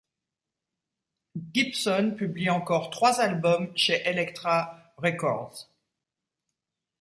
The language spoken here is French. Gibson publie encore trois albums chez Elektra Records.